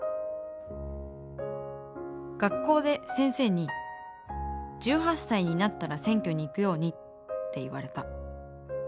学校で先生に「１８歳になったら選挙に行くように」って言われた。